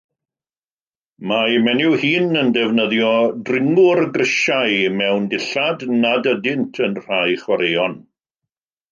Mae menyw hŷn yn defnyddio dringwr grisiau mewn dillad nad ydynt yn rhai chwaraeon.